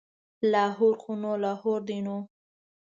لاهور خو لاهور دی نو.